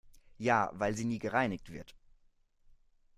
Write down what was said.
Ja, weil sie nie gereinigt wird.